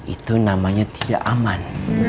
itu namanya tidak aman